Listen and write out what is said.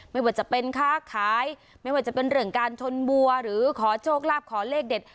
ไม่ว่าจะเป็นค้าขายไม่ว่าจะเป็นเรื่องการชนบัวหรือขอโชคลาภขอเลขเด็ด